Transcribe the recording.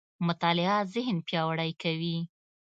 مطالعه ذهن پياوړی کوي.